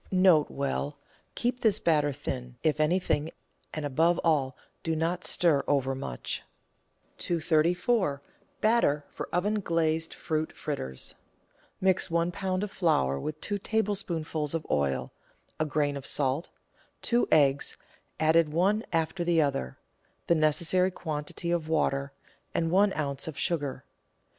N.B. — Keep this batter thin, if anything, and above all do not stir overmuch. 234— BATTER FOR OVEN GLAZED FRUIT FRITTERS Mix one lb. of flour with two tablespoonfuls of oil, a grain of salt, two eggs (added one after the other), the necessary quantity of water, and one oz. of sugar.